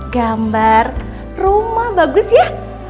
gambar rumah bagus ya